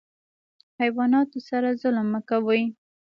حیواناتو سره ظلم مه کوئ